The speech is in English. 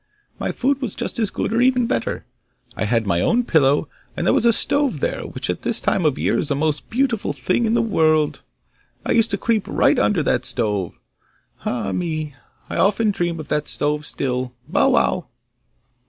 My food was just as good, or even better. I had my own pillow, and there was a stove there, which at this time of year is the most beautiful thing in the world. I used to creep right under that stove. Ah me! I often dream of that stove still! Bow wow!